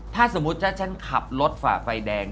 ถ้าสมมุติถ้าฉันขับรถฝ่าไฟแดง